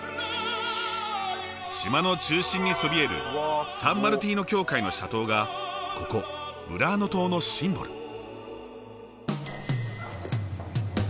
島の中心にそびえるサン・マルティーノ教会の斜塔がここブラーノ島のシンボル。